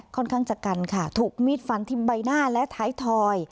ค่อนข้างจะกันค่ะถูกมีดฟันที่ใบหน้าและท้ายทอย